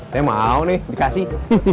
saya mau nih dikasih